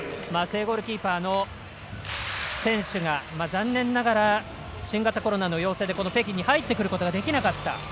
正ゴールキーパーの選手が残念ながら新型コロナの陽性で北京に入ってくることができなかった。